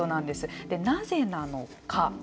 でなぜなのか。